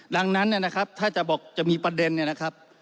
ดังนั้นเนี่ยนะครับถ้าจะบอกจะมีประเด็นเนี่ยนะครับ